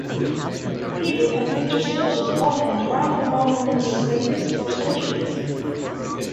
People have used resources on and around the Mono-Inyo Craters for centuries.